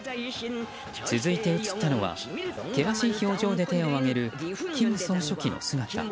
続いて映ったのは、険しい表情で手を上げる金総書記の姿。